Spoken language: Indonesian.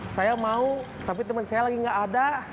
saya mau tapi teman saya lagi gak ada